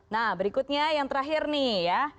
nah berikutnya yang terakhir nih ya